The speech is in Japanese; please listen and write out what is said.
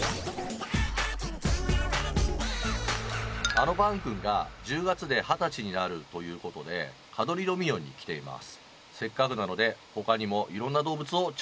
あのパンくんが１０月で二十歳になるということでカドリー・ドミニオンに来ています。